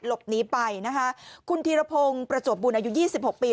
หลบหนีไปนะคะคุณธีรพงศ์ประจวบบุญอายุยี่สิบหกปี